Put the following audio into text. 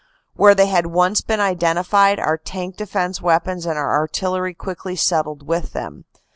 When they had once been iden tified, our tank defense weapons and our artillery quickly set tled with them.